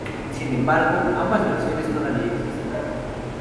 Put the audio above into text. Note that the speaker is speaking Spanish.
Sin embargo, ambas versiones todavía existen.